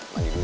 mandi dulu ya